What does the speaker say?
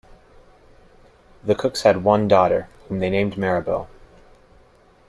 The Cooks had one daughter, whom they named Marabell.